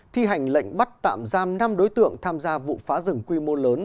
thi hành lệnh bắt tạm giam năm đối tượng tham gia vụ phá rừng quy mô lớn